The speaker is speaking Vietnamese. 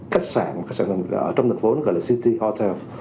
các sản ở trong thành phố gọi là city hotel